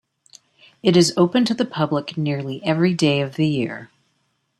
It is open to the public nearly every day of the year.